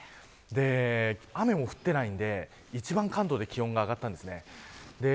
雨も降っていないので一番関東で気温が上がったんです。